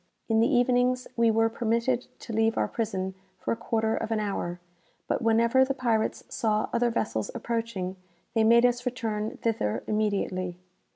In the evenings we were permitted to leave our prison for a quarter of an hour; but whenever the pirates saw other vessels approaching, they made us return thither immediately.